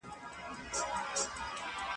ایا تاسو غواړئ چي یو نوی هنر زده کړئ؟